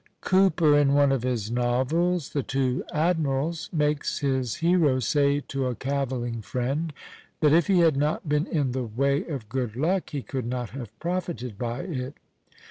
Cooper, in one of his novels, "The Two Admirals," makes his hero say to a cavilling friend that if he had not been in the way of good luck, he could not have profited by it.